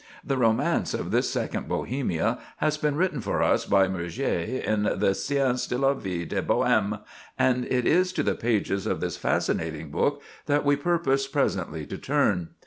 The romance of this second Bohemia has been written for us by Murger in the "Scènes de la Vie de Bohème"; and it is to the pages of this fascinating book that we purpose presently to turn.